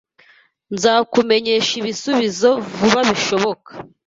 Nzakumenyesha ibisubizo vuba bishoboka